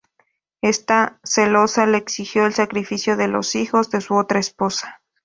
Ésta, celosa, le exigió el sacrificio de los hijos de su otra esposa.